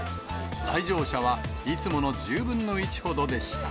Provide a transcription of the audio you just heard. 来場者はいつもの１０分の１ほどでした。